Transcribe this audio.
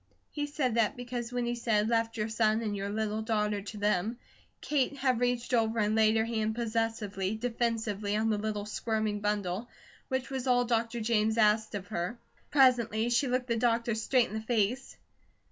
He said that because when he said "left your son and your little daughter to them," Kate had reached over and laid her hand possessively, defensively, on the little, squirming bundle, which was all Dr. James asked of her. Presently she looked the doctor straight in the face.